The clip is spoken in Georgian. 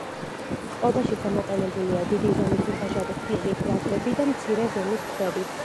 წყობაში გამოყენებულია დიდი ზომის უხეშად თლილი კვადრები და მცირე ზომის ქვები.